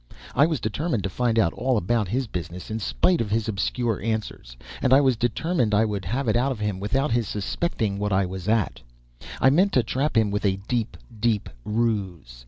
I was determined to find out all about his business in spite of his obscure answers and I was determined I would have it out of him without his suspecting what I was at. I meant to trap him with a deep, deep ruse.